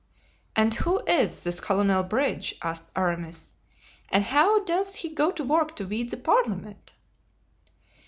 "And who is this Colonel Bridge?" asked Aramis, "and how does he go to work to weed the parliament?"